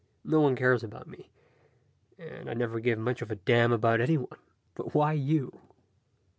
No one cares about me, and I never gave much of a damn about anyone. But why you?"